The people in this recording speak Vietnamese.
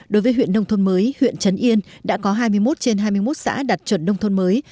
đối với huyện nông thôn mới huyện trấn yên đã có hai mươi một trên hai mươi một xã đạt chuẩn nông thôn mới